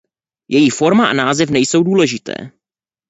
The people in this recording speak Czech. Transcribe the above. Její forma a název nejsou důležité.